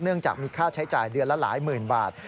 จากมีค่าใช้จ่ายเดือนละหลายหมื่นบาท